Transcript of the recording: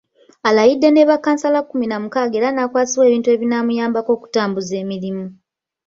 Alayidde ne bakkansala kkumi na mukaaga era n’akwasibwa ebintu ebinaamuyambako okutambuza emirimu.